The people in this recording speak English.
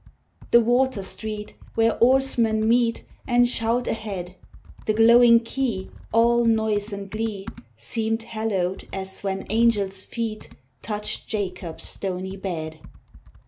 The water street where oarsmen meet And shout ahead, The glowing quay, all noise and glee, Seemed hallowed as when angels' feet Touched Jacob's stony bed.